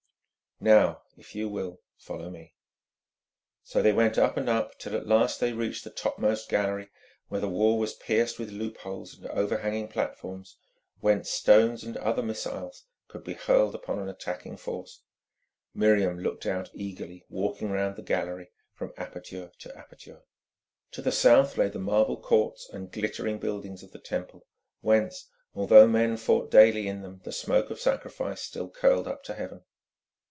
Now, if you will, follow me." So they went up and up, till at last they reached the topmost gallery, where the wall was pierced with loopholes and overhanging platforms, whence stones and other missiles could be hurled upon an attacking force. Miriam looked out eagerly, walking round the gallery from aperture to aperture. To the south lay the marble courts and glittering buildings of the Temple, whence, although men fought daily in them, the smoke of sacrifice still curled up to heaven.